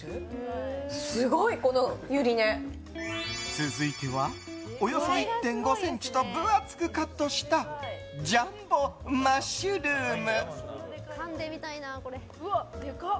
続いては、およそ１．５ｃｍと分厚くカットしたジャンボマッシュルーム。